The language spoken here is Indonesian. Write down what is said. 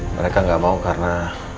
mereka nggak mau karena